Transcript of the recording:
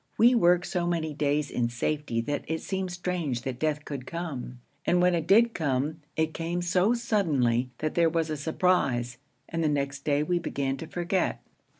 We worked so many days in safety that it seemed strange that death could come; and when it did come, it came so suddenly that there was a surprise, and the next day we began to forget.